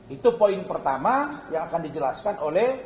itu poin pertama yang akan dijelaskan oleh